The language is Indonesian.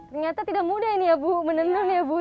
ternyata tidak mudah ini ya bu menenun ya bu